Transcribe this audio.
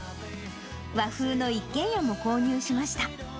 和風の一軒家も購入しました。